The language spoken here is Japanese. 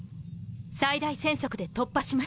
最大船速で突破します。